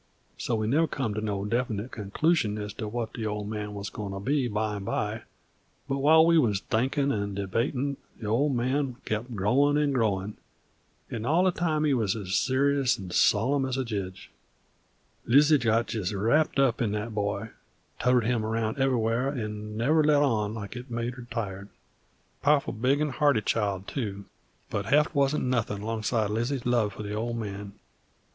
So we never come to no definite conclusion as to what the Old Man wuz goin' to be bime by; but while we wuz thinkin' 'nd debatin' the Old Man kep' growin' 'nd growin', and all the time he wuz as serious 'nd sollum as a jedge. Lizzie got jest wrapped up in that boy; toted him round ever'where 'nd never let on like it made her tired, powerful big 'nd hearty child too, but heft warn't nothin' 'longside of Lizzie's love for the Old Man.